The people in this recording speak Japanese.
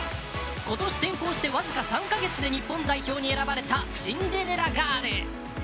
今年転向して、わずか３カ月で日本代表に選ばれたシンデレラガール。